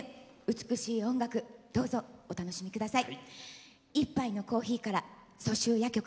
美しい音楽をどうぞお楽しみください。